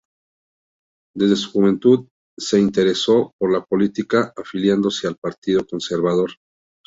Desde su juventud se interesó por la política, afiliándose al Partido Conservador.